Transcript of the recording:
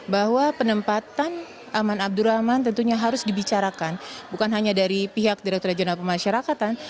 bahwa penempatan aman abdurrahman tentunya harus dibicarakan bukan hanya dari pihak direkturat jenderal pemasyarakatan